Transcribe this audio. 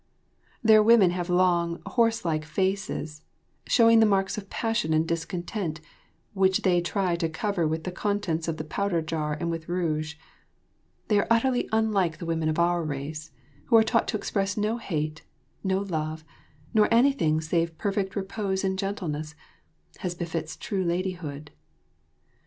Their women have long, horse like faces, showing the marks of passion and discontent, which they try to cover with the contents of the powder jar and with rouge; they are utterly unlike the women of our race, who are taught to express no hate, no love, nor anything save perfect repose and gentleness, as befits true ladyhood.